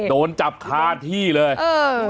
โดนจับฆ่าที่หลังทาง